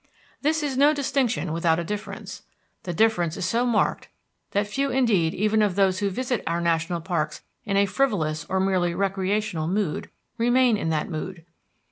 This is no distinction without a difference. The difference is so marked that few indeed even of those who visit our national parks in a frivolous or merely recreational mood remain in that mood.